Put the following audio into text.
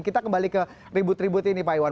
kita kembali ke ribut ribut ini pak iwan